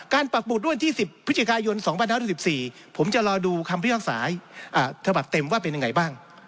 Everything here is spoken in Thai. การปรับปรุดวันที่๑๐พย๒๕๖๔ผมจะรอดูคำพิทักษายทะบัดเต็มว่าเป็นยังไงบ้าง